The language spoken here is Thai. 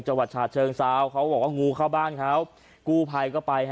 จังหวัดฉาเชิงเซาเขาบอกว่างูเข้าบ้านเขากู้ภัยก็ไปฮะ